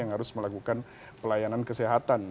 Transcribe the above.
yang harus melakukan pelayanan kesehatan